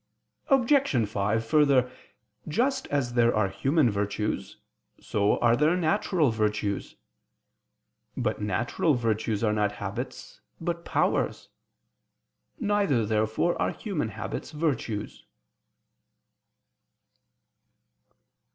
Obj. 5: Further, just as there are human virtues, so are there natural virtues. But natural virtues are not habits, but powers. Neither therefore are human virtues habits.